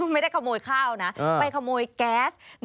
ไม่ได้ขโมยข้าวนะไปขโมยแก๊ส